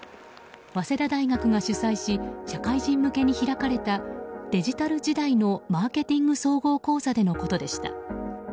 早稲田大学が主催し社会人向けに開かれたデジタル時代のマーケティング総合講座でのことでした。